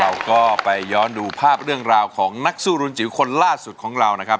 เราก็ไปย้อนดูภาพเรื่องราวของนักสู้รุนจิ๋วคนล่าสุดของเรานะครับ